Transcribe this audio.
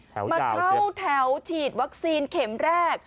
มาเข้าแถวฉีดวัคซีนเข็มแรก